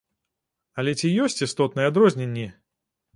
Але ці ёсць істотныя адрозненні?